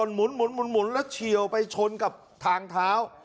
รถยนต์หมุนหมุนหมุนหมูนแล้วเฉียวไปชนกับทางเท้า